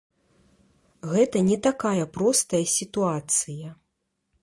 Гэта не такая простая сітуацыя.